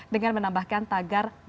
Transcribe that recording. dengan menambahkan tagar berikutnya